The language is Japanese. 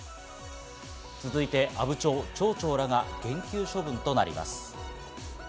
続いて、阿武町町長らが減給処分となります。